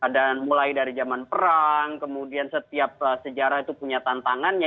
dan mulai dari zaman perang kemudian setiap sejarah itu punya tantangannya